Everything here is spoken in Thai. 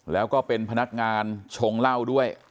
แล้วก็เป็นพนักงานชงเหล้าด้วย